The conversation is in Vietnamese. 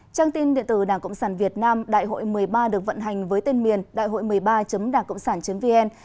trang tin điện tử đảng cộng sản việt nam đại hội một mươi ba được vận hành với tên miền đại hội một mươi ba đảngcộngsản vn